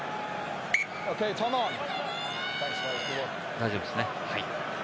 大丈夫ですね。